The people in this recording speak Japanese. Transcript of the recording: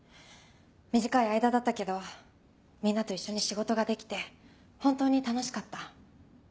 短い間だったけどみんなと一緒に仕事ができて本当に楽しかった。